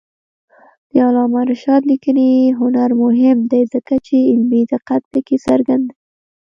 د علامه رشاد لیکنی هنر مهم دی ځکه چې علمي دقت پکې څرګند دی.